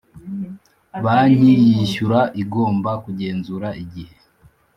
Banki yishyura igomba kugenzura igihe